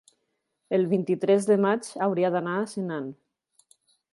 el vint-i-tres de maig hauria d'anar a Senan.